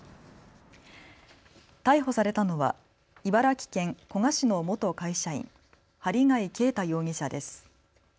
逮捕されたのは茨城県古河市の元会社員、針谷啓太容疑者です。